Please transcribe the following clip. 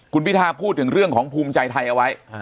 คุณพิทาพูดถึงเรื่องของภูมิใจไทยเอาไว้